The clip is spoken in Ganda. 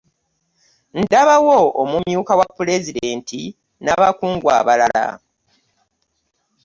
Ndabawo omumyuka wa pulezidenti n'abakungu abalala.